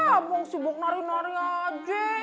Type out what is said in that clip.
abang sibuk nari nari aja